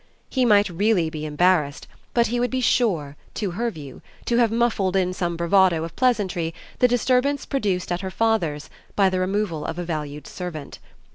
He might really be embarrassed, but he would be sure, to her view, to have muffled in some bravado of pleasantry the disturbance produced at her father's by the removal of a valued servant.